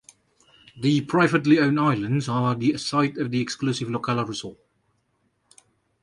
The privately owned islands are the site of the exclusive Laucala Resort.